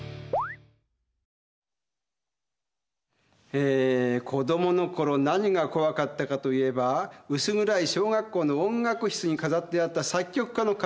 えー子供のころ何が怖かったかといえば薄暗い小学校の音楽室に飾ってあった作曲家の顔。